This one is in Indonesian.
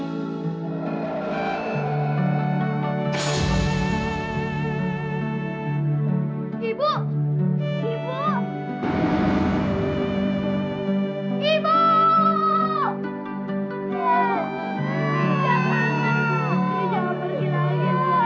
aku ini kesempatan untuk menemui ibu dan kedua anakku ya allah